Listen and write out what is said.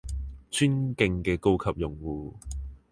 尊敬嘅高級用戶